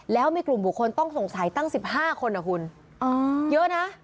แล้วมีกลุ่มบุคคลต้องสงสัยตั้ง๑๕คนนะคุณเยอะนะ